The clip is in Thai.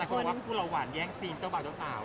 เขาบอกว่าคู่เราหวานแย่งซีนเจ้าบ่าวเจ้าสาว